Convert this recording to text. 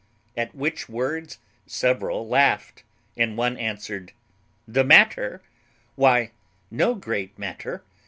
At which words several laughed, and one answered, "The matter! Why no great matter.